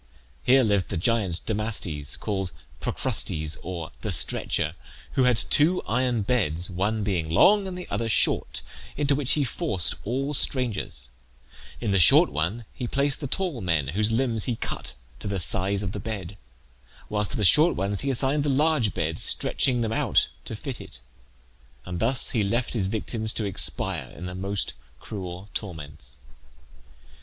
Here lived the giant Damastes, called Procrustes or the Stretcher, who had two iron beds, one being long and the other short, into which he forced all strangers; In the short one he placed the tall men, whose limbs he cut to the size of the bed, whilst to the short ones he assigned the large bed, stretching them out to fit it; and thus he left his victims to expire in the most cruel torments.